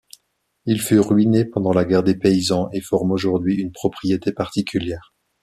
Il fut ruiné pendant la guerre des paysans et forme aujourd'hui une propriété particulière.